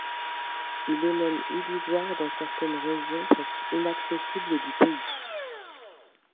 Il est même illusoire dans certaines régions presque inaccessibles du pays.